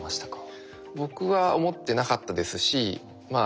僕は思ってなかったですし